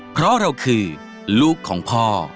เพราะเราคือลูกของพ่อ